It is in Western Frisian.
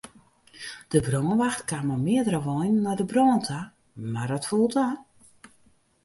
De brânwacht kaam mei meardere weinen nei de brân ta, mar it foel ta.